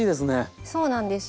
そうなんですよ。